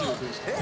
・え？